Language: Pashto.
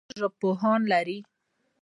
ننګرهار ژبپوهان لري